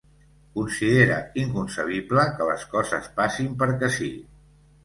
Considera inconcebible que les coses passin perquè sí.